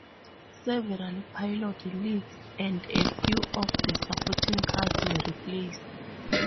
Several pilot leads and a few of the supporting cast were replaced.